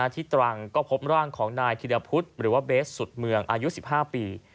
ตรังก็พบร่างของนายธิรพุทธหรือว่าเบสสุดเมืองอายุ๑๕ปี